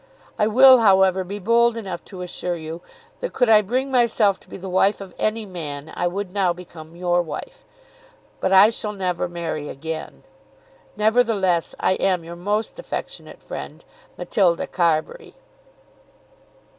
I will, however, be bold enough to assure you that could I bring myself to be the wife of any man I would now become your wife. But I shall never marry again. Nevertheless, I am your most affectionate friend, MATILDA CARBURY.